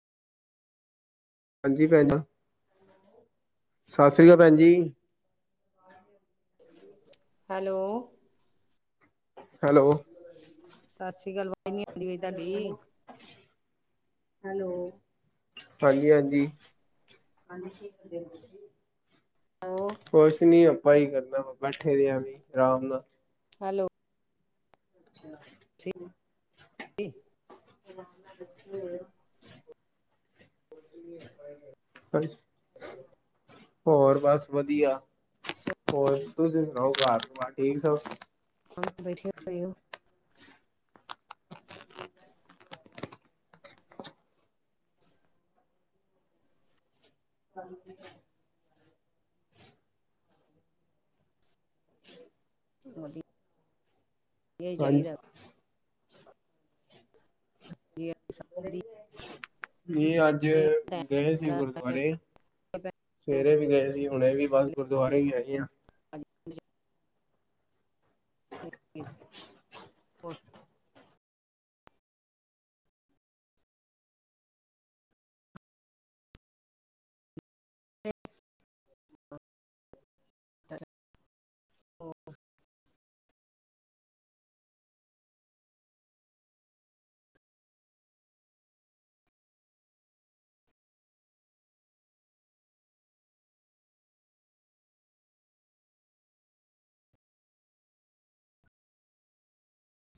ਹਾਂਜੀ ਭੇਜਨਾ, ਸਤਿ ਸ੍ਰੀ ਅਕਾਲ ਭੈਣ ਜੀ। ਹੈਲੋ ਹੈਲੋ ਸਤਿ ਸ੍ਰੀ ਅਕਾਲ ਵਾਏਗੀ ਪਨੀਰ ਦਾ ਬੀਂ। ਹੈਲੋ ਹਾਂਜੀ ਹਾਂਜੀ। ਹਾਂਜੀ, ਸਿੱਖਦੇ ਔ ਤੁਸੀ। ਹੈਲੋ ਕੁਛ ਨੀ ਆਪਾਂ ਹੀ ਕਰਨਾ ਵਾ, ਬੈਠੇ ਦੇ ਆ ਵੀ, ਆਰਾਮ ਨਾਲ। ਹੈਲੋ ਅੱਛਾ ਭੀ ਆਰਾਮ ਨਾਲ, ਏਥੇ ਹੀ ਹੋਏਗਾ। ਹਾਂਜੀ ਹੋਰ ਬਸ ਵਧੀਆ, ਹੋਰ ਤੁਸੀਂ ਸੁਣਾਓ, ਘਰ ਬਾਰ ਠੀਕ ਸਬ। ਹੂੰ। ਬੈਠੇ ਹੁਏ ਹੋ? ਹ ਮੋਦੀ। ਹਾਂਜੀ। ਇਹ, ਅੱਜ ਗਏ ਸੀ। ਗੁਰਦੁਆਰੇ। ਸਵੇਰੇ ਵੀ ਗਏ ਸੀ। ਹੁਣੇ ਇਹ ਵੀ, ਬਸ ਗੁਰਦੁਆਰੇ ਵੀ ਆਏ ਆ। [unintelligible] ਹੋਰ?